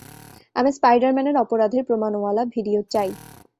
আমি স্পাইডারম্যানের অপরাধের প্রমাণওয়ালা ভিডিও চাই।